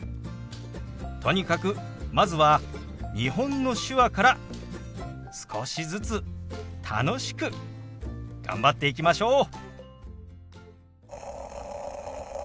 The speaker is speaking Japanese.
とにかくまずは日本の手話から少しずつ楽しく頑張っていきましょう。